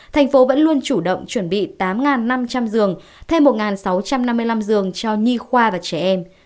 thành phố vẫn luôn chủ động chuẩn bị tám năm trăm linh giường thêm một sáu trăm năm mươi năm giường cho nhi khoa và trẻ em